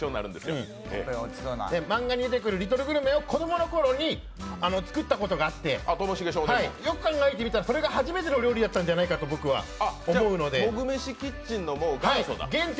漫画に出てくるリトルグルメを子供のころに作ったことがあってよく考えてみたら、それが初めての料理なんじゃないかと思うので「モグ飯キッチン」の元祖だ。